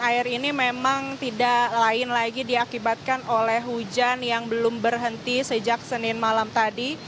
air ini memang tidak lain lagi diakibatkan oleh hujan yang belum berhenti sejak senin malam tadi